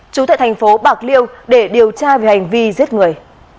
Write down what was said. chú tại thành phố bạc liêu để điều tra về hành vi giết người